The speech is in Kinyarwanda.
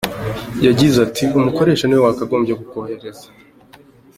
Yagize ati “Umukoresha niwe wakagombye kukohereza.